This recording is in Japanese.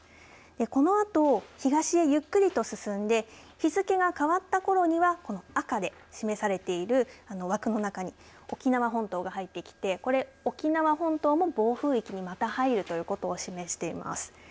このあと東へゆっくりと進んで日付が変わったころにはこの赤で示されている枠の中に沖縄本島が入ってきてこれ沖縄本島も暴風域にまた入るということを示しています。